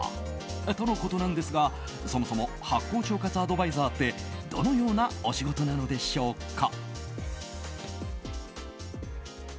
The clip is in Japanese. とのことなんですが、そもそも発酵腸活アドバイザーってどのようなお仕事なのでしょうか？